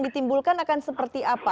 ditimbulkan akan seperti apa